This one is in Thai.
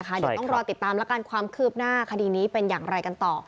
เดี๋ยวต้องรอติดตามแล้วกันความคืบหน้าคดีนี้เป็นอย่างไรกันต่อ